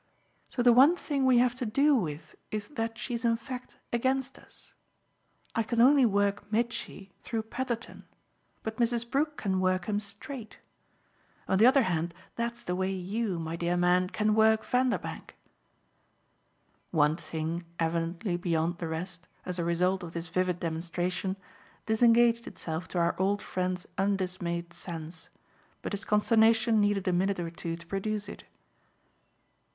So the one thing we have to do with is that she's in fact against us. I can only work Mitchy through Petherton, but Mrs. Brook can work him straight. On the other hand that's the way you, my dear man, can work Vanderbank." One thing evidently beyond the rest, as a result of this vivid demonstration, disengaged itself to our old friend's undismayed sense, but his consternation needed a minute or two to produce it.